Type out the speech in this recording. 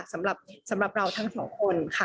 สำหรับเราทั้งสองคนค่ะ